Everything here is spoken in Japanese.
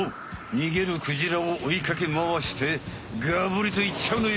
にげるクジラをおいかけまわしてがぶりといっちゃうのよ。